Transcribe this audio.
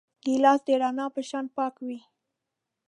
ګیلاس د رڼا په شان پاک وي.